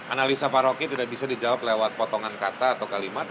analisa pak roky tidak bisa dijawab lewat potongan kata atau kalimat